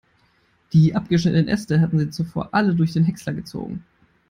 Die abgeschnittenen Äste hatten sie zuvor alle durch den Häcksler gezogen.